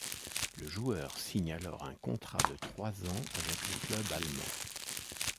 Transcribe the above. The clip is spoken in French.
Le joueur signe alors un contrat de trois ans avec le club allemand.